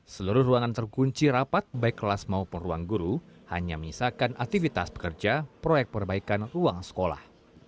seluruh ruangan terkunci rapat baik kelas maupun ruang guru hanya menyisakan aktivitas pekerja proyek perbaikan ruang sekolah